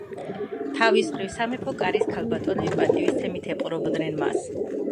თავის მხრივ, სამეფო კარის ქალბატონები პატივისცემით ეპყრობოდნენ მას.